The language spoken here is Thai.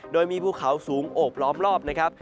โดยมีภูเขาสูงโอบล้อมรอบนะครับ